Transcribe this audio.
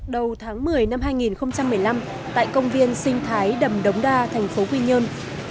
đầu tháng một mươi năm hai nghìn một mươi năm tại công viên sinh thái đầm đống đa thành phố quy nhơn